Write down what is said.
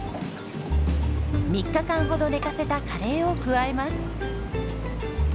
３日間ほど寝かせたカレーを加えます。